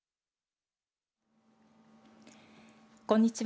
こんにちは。